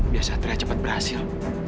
biar satria cepat berhasil